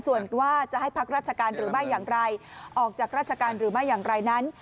ส่วนว่าจะให้พักราชการอย่างไหร่ออกจากราชการอย่างไหร่นั้น